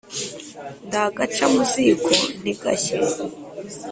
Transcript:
Ndi agaca mu ziko ntigashye,